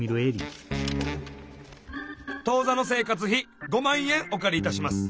「当座の生活費５万円お借りいたします。